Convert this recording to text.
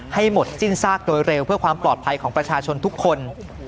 ให้หมดสิ้นซากโดยเร็วเพื่อความปลอดภัยของประชาชนทุกคน